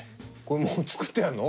これもう作ってあるの？